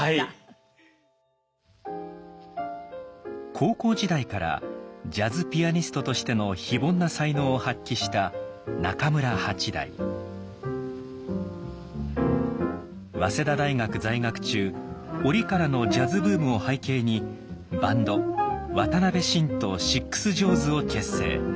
高校時代からジャズピアニストとしての非凡な才能を発揮した早稲田大学在学中折からのジャズブームを背景にバンド「渡辺晋とシックス・ジョーズ」を結成。